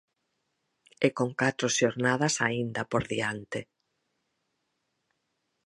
E con catro xornadas aínda por diante.